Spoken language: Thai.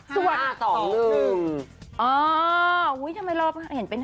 อ๋อทำไมเราเห็นเป็น๕๑๓อ่ะ